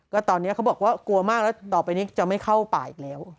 ก็ตอนนี้เขาบอกว่ากลัวมากแล้วต่อไปนี้จะไม่เข้าป่าอีกแล้ว